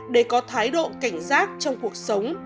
để có thái độ cảnh giác trong cuộc sống